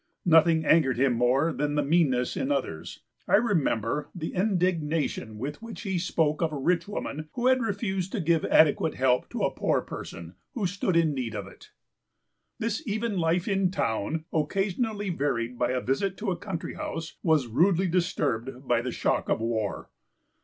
Nothing angered him more than meanness in others. I remember the indignation with which he spoke of a rich woman who had refused to give adequate help to a poor person, who stood in need of it. This even life in town, occasionally varied by a visit to a country house, was rudely disturbed by the shock of war.